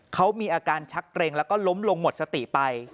เขามีอาการชักเกร็งแล้วก็ล้มลงหมดสติไป